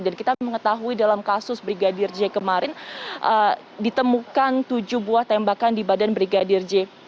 dan kita mengetahui dalam kasus brigadir j kemarin ditemukan tujuh buah tembakan di badan brigadir j